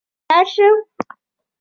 که لاړ شم.